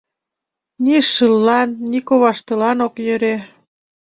Ни шыллан, ни коваштылан ок йӧрӧ.